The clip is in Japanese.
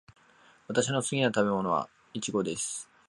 私の好きな食べ物はイチゴです。